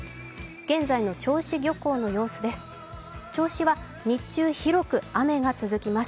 現在の銚子漁港の様子です。